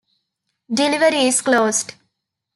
Delivery is closed.